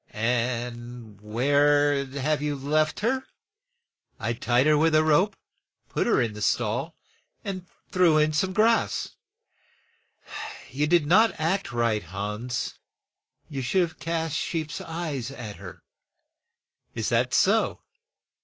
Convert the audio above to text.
"And where have you left her?' "I tied her with a rope, put her in the stall, and threw in some grass." "You did not act right, Hans; you should have cast sheep's eyes at her." "Is that so?